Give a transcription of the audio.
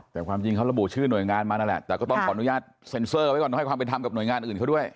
แต่ความจริงเขาระบุชื่อหน่วยงานมานั่นแหละแต่ก็ต้องขออนุญาตเซ็นเซอร์ไว้ก่อนให้ความเป็นธรรมกับหน่วยงานอื่นเขาด้วย